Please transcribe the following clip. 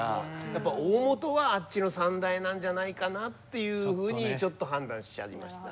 やっぱ大本はあっちの三大なんじゃないかなっていうふうにちょっと判断しちゃいました。